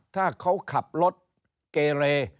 ถ้าเขาขับรถเกเร